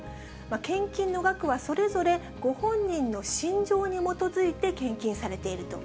献金の額は、それぞれご本人の信条に基づいて献金されていると。